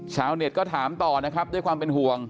ชาวเน็ตก็ถามต่อนะครับด้วยความเป็นห่วง